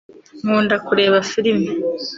nkunda kureba firime